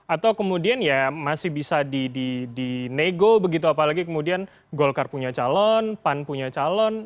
atau kemudian ya masih bisa dinego begitu apalagi kemudian golkar punya calon pan punya calon